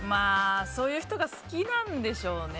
そういう人が好きなんでしょうね。